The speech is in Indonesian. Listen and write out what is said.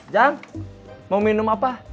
jang mau minum apa